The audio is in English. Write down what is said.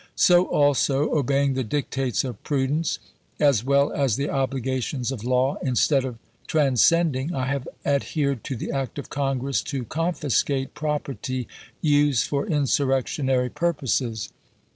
So, also, obeying the dictates of prudence, as well as the obligations of law, instead of transcending, I have adhered to the act of Congress to confiscate property used for insurrectionary purposes.